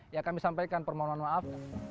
ya kami sampaikan permohonan maaf